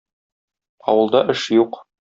Авылда эш юк.